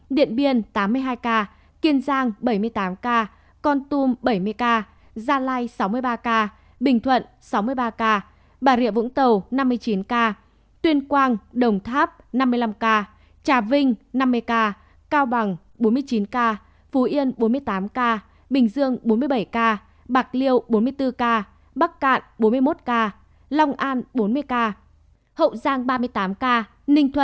điện biên tám mươi hai ca kiên giang bảy mươi tám ca con tum bảy mươi ca gia lai sáu mươi ba ca bình thuận sáu mươi ba ca bà rịa vũng tàu năm mươi chín ca tuyên quang đồng tháp năm mươi năm ca trà vinh năm mươi ca cao bằng bốn mươi chín ca phú yên bốn mươi tám ca bình dương bốn mươi bảy ca bạc liêu bốn mươi bốn ca bắc cạn bốn mươi một ca long an bốn mươi ca hậu giang ba mươi tám ca ninh thuận ba mươi hai ca cần thơ bốn mươi hai ca